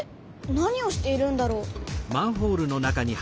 何をしているんだろう？